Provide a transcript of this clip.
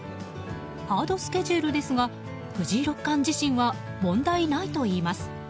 ハードスケジュールですが藤井六冠自身は問題ないといいます。